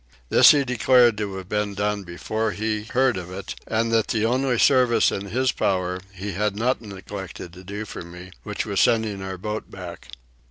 This he declared had been done before he heard of it; and that the only service in his power he had not neglected to do for me, which was the sending our boat back.